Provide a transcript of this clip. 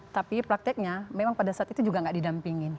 tapi prakteknya memang pada saat itu juga tidak didampingin